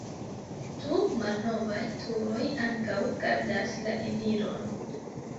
Du malnovaj turoj ankaŭ gardas la eniron.